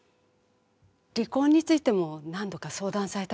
離婚についても何度か相談された事はあります。